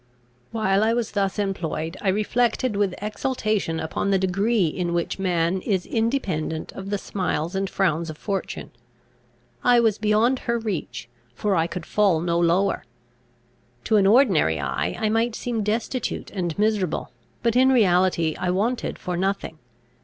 While I was thus employed, I reflected with exultation upon the degree in which man is independent of the smiles and frowns of fortune. I was beyond her reach, for I could fall no lower. To an ordinary eye I might seem destitute and miserable, but in reality I wanted for nothing.